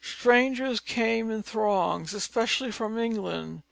Strangers came in throngs, especially from England.